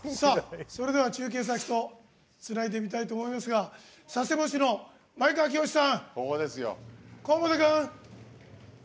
中継先とつないで見たいと思いますが佐世保市の前川清さん